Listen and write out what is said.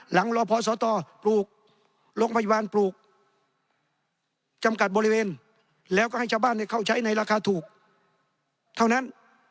รอพอสตปลูกโรงพยาบาลปลูกจำกัดบริเวณแล้วก็ให้ชาวบ้านเข้าใช้ในราคาถูกเท่านั้น